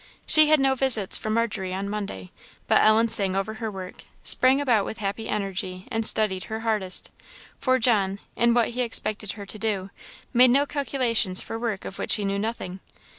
She had no visits from Margery on Monday; but Ellen sang over her work, sprang about with happy energy, and studied her hardest; for John, in what he expected her to do, made no calculations for work of which he knew nothing.